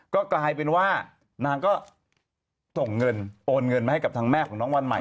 ก็กลายเป็นว่านางก็ส่งเงินโอนเงินมาให้กับทางแม่ของน้องวันใหม่